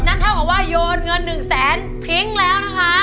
นั่นว่าโยนเงิน๑แสนพิ้งแล้วนะคะ